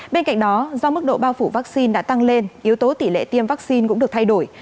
bên cạnh đó do mức độ bao phủ vaccine đã tăng lên yếu tố tỷ lệ tiêm vaccine cũng được thay đổi